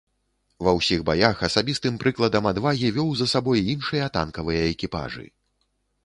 Ва ўсіх баях асабістым прыкладам адвагі вёў за сабой іншыя танкавыя экіпажы.